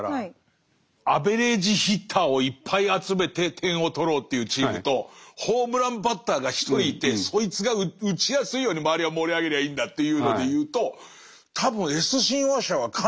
アベレージヒッターをいっぱい集めて点を取ろうというチームとホームランバッターが１人いてそいつが打ちやすいように周りは盛り上げりゃいいんだっていうのでいうと多分Ｓ親和者は完全にホームランバッターなんだよね。